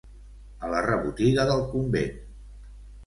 A la rebotiga del convent.